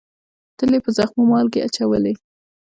تل یې په زخمونو مالگې اچولې